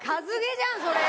じゃんそれ！